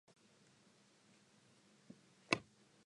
Teams were declared joint winners for the West Asia region.